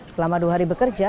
selama dua hari bekerja